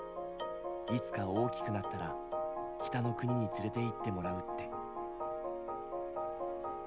いつか大きくなったら北の国に連れていってもらうって。